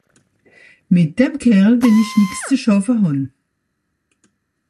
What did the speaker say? Mìt dem Kerl wìll ìch nìx ze schàffe hàn.